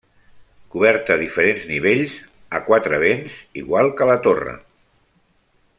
Coberta a diferents nivells, a quatre vents, igual que la torre.